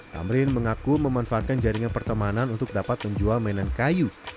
tamrin mengaku memanfaatkan jaringan pertemanan untuk dapat menjual mainan kayu